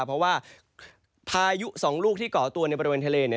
เพราะว่าพายุ๒ลูกที่ก่อตัวในบริเวณทะเล